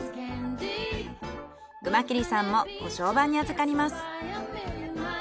熊切さんもご相伴に預かります。